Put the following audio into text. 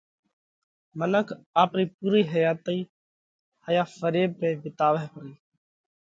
منک آپرئِي پُورئِي حياتئِي هائيا فريڀ ۾ وِيتاوئه پرئِي۔